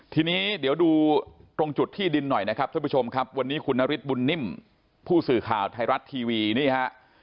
ทีนี้เดี๋ยวดูตรงจุดที่ดินหน่อยนะครับท่านผู้ชมครับวันนี้คุณนฤทธิบุญนิ่มผู้สื่อข่าวไทยรัฐทีวีนี่ฮะ